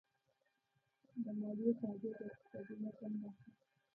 د مالیې تادیه د اقتصادي نظم برخه ده.